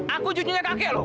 aku cucunya kakek loh